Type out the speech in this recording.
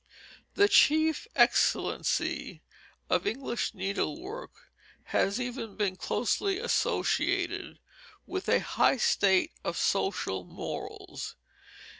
The chief excellency of English needlework has even been closely associated with a high state of social morals.